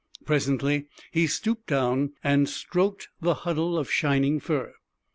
Presently he stooped down and stroked the huddle of shining fur.